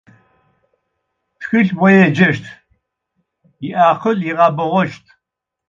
Тхылъ бо еджэщт, иакъыл егъэбэгъощт.